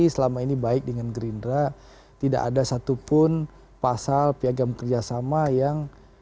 selama ini baik dengan gerindra tidak ada satupun pasal piagam kerjasama yang